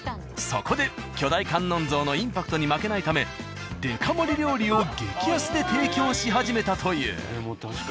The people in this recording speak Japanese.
そこで巨大観音像のインパクトに負けないためデカ盛り料理を激安で提供し始めたという。